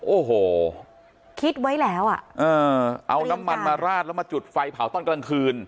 โอ้โหคิดไว้แล้วอ่ะเออเอาน้ำมันมาราดแล้วมาจุดไฟเผาตอนกลางคืน